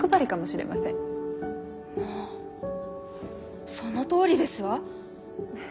まぁそのとおりですわ。